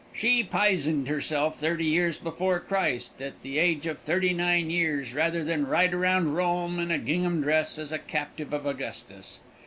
She pizened herself thirty years before Christ, at the age of thirty nine years, rather than ride around Rome in a gingham dress as a captive of Augustus.